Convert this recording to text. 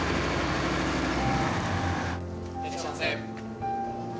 いらっしゃいませ。